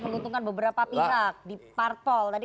menguntungkan beberapa pihak di partol